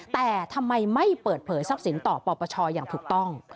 แต่ทำไมไม่เปิดเผยทรัพย์สินต่อปปชอย่างถูกต้อง